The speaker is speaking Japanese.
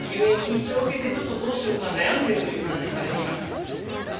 今日の遊泳禁止を受けてどうしようか悩んでいるという話をされていました。